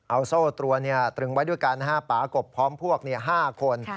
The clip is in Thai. เอาโซ่ตรวนตรึงไว้ด้วยกันป่ากบพร้อมพวก๕คน